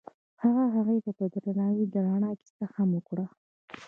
هغه هغې ته په درناوي د رڼا کیسه هم وکړه.